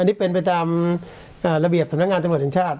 อันนี้เป็นไปตามระเบียบสำนักงานตำรวจแห่งชาติ